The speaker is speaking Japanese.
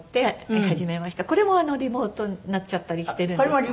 これもリモートになっちゃたりしてるんですけど。